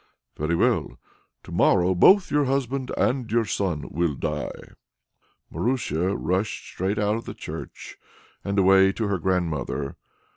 "Very well! To morrow both your husband and your son will die." Marusia rushed straight out of the church and away to her grandmother.